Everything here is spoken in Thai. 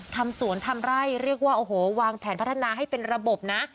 ทำสวนทำไร่เรียกว่าโอ้โหวางแผนพัฒนาให้เป็นระบบนะ